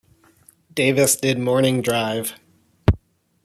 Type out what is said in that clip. Davis did morning drive.